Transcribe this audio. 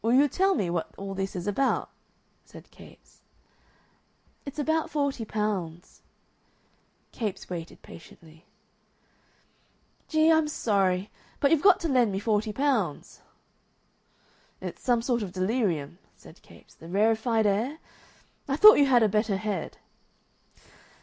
"Will you tell me what all this is about?" said Capes. "It's about forty pounds." Capes waited patiently. "G. I'm sorry.... But you've got to lend me forty pounds." "It's some sort of delirium," said Capes. "The rarefied air? I thought you had a better head."